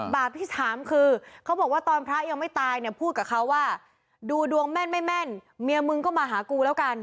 บาปที่สามคือเขาบอกว่าตอนพระยังไม่ตายเนี่ยพูดกับเขาว่าดูดวงแม่นไม่แม่นเมียมึงก็มาหากูแล้วกัน